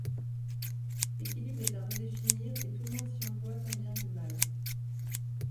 L'équilibre est à redéfinir et tout le monde s'y emploie tant bien que mal.